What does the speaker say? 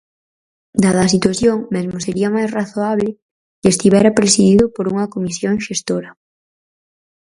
Dada a situación mesmo sería máis razoábel que estivera presidido por unha comisión xestora.